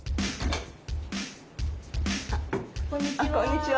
こんにちは。